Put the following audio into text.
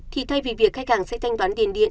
thì thay vì việc khách hàng sẽ thanh toán tiền điện